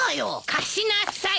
貸しなさい。